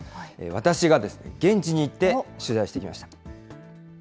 私が現地に行って取材してきました。